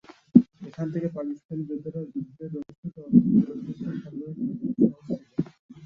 এখান থেকে পাকিস্তানি যোদ্ধাদের যুদ্ধের রসদ ও অস্ত্রশস্ত্র সরবরাহ করা খুবই সহজ ছিল।